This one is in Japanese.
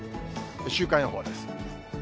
週間予報です。